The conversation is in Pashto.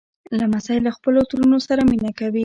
لمسی له خپلو ترونو سره مینه کوي.